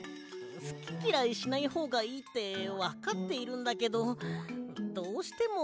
すききらいしないほうがいいってわかっているんだけどどうしてもたべられないんだよな。